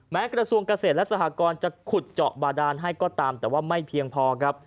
กระทรวงเกษตรและสหกรจะขุดเจาะบาดานให้ก็ตามแต่ว่าไม่เพียงพอครับ